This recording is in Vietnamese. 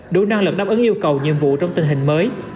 đủ năng lực đáp ứng yêu cầu nhiệm vụ trong tình hình mới